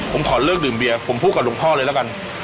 ผมขอเลิกดื่มเบียร์ผมพูดกับหลวงพ่อเลยแล้วกัน